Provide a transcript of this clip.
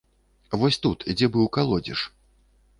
Вось тут, дзе быў калодзеж.